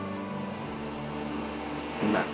うまい。